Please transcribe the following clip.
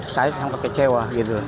saya sangat kecewa